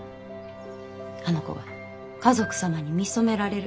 あの子が華族様に見初められる。